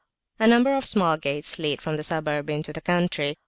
A number of small gates lead from the suburb into the country.